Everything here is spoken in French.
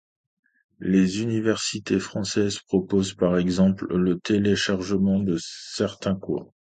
Les universités françaises proposent par exemple le téléchargement de certains cours.